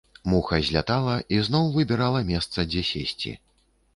Муха злятала і зноў выбірала месца, дзе сесці.